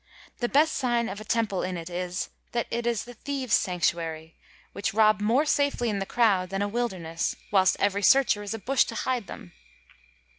The best signe of a Temple in it is, that it is the Theeues Sanctuary, which robbe more safely in the Croud, then a wildernesse, whilst every searcher is a bush to hide them.